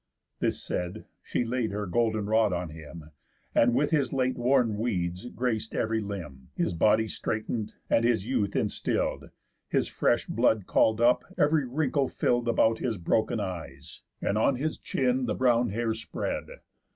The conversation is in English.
This said, she laid her golden rod on him, And with his late worn weeds grac'd ev'ry limb, His body straighten'd, and his youth instill'd, His fresh blood call'd up, ev'ry wrinkle fill'd About his broken eyes, and on his chin The brown hair spread.